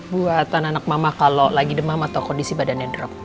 buatan anak mama kalau lagi demam atau kondisi badannya drop